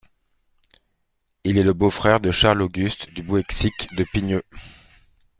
Il est le beau-frère de Charles Auguste du Bouëxic de Pinieux.